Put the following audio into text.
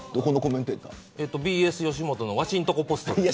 ＢＳよしもとのワシんとこ・ポストです。